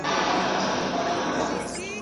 شاګرد د ليکني پایله ولي روښانه کوي؟